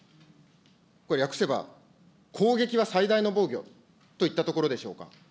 これ、訳せば、攻撃は最大の防御といったところでしょうか。